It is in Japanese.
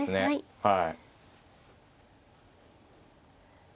はい。